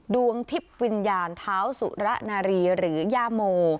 ดวงทิพย์วิญญาณเท้าสุระนารีหรือย่าโม